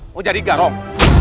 mau jadi garong